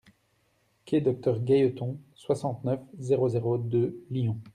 Quai Docteur Gailleton, soixante-neuf, zéro zéro deux Lyon